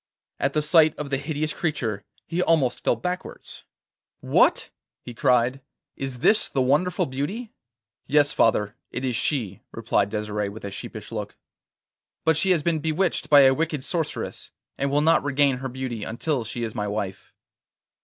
At the sight of the hideous creature he almost fell backwards. 'What!' he cried. 'Is this the wonderful beauty?' 'Yes, father, it is she,' replied Desire with a sheepish look. 'But she has been bewitched by a wicked sorceress, and will not regain her beauty until she is my wife.